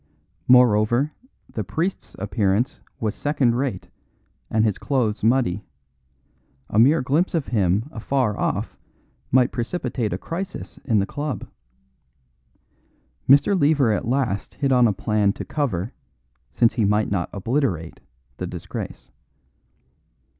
Moreover, the priest's appearance was second rate and his clothes muddy; a mere glimpse of him afar off might precipitate a crisis in the club. Mr. Lever at last hit on a plan to cover, since he might not obliterate, the disgrace.